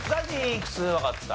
いくつわかった？